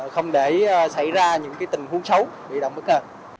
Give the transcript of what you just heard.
không để xảy ra những tình huống xấu bị động bức hợp